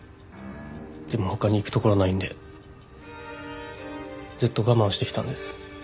でも他に行く所ないんでずっと我慢してきたんです。